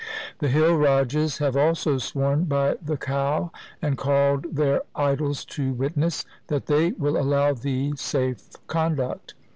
The hill rajas have also sworn by the cow and called their idols to witness, that they will allow thee safe conduct.